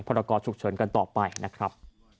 พันธกรทุกชนต่อไปนะครับ